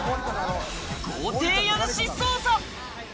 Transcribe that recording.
豪邸家主捜査。